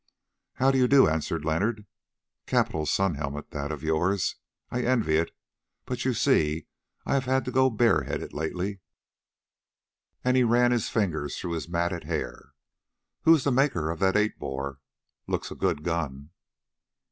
"How do you do?" answered Leonard. "Capital sun helmet that of yours. I envy it, but you see I have had to go bare headed lately," and he ran his fingers through his matted hair. "Who is the maker of that eight bore? Looks a good gun!"